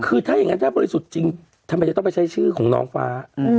คือถ้าอย่างนั้นถ้าบริสุทธิ์จริงทำไมจะต้องไปใช้ชื่อของน้องฟ้า